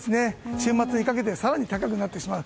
週末にかけて更に高くなってしまう。